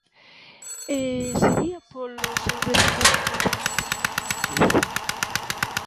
E ¿sería polo seu rendemento de contas coa xustiza?